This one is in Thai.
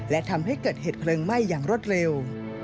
และทำให้เกิดเหตุเพลิงไหม้อย่างรวดเร็ว